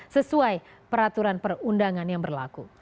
sesuai peraturan perundangan yang berlaku